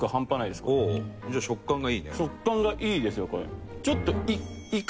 食感がいいですよこれ。